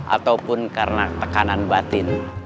ataupun karena tekanan batin